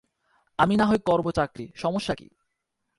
আমি নাহয় করব চাকরি, সমস্যা কী?